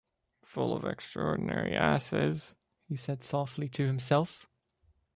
"Full of extra-ordinary asses," he said softly to himself.